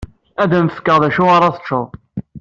Ad am-fkeɣ d acu ara teččeḍ.